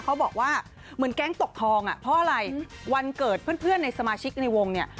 เขาบอกว่าเหมือนแก๊งตกทองอ่ะเพราะอะไรวันเกิดเพื่อนในสมาชิกในวงเนี่ย